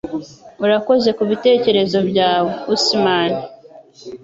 Urakoze kubitekerezo byawe, Usman!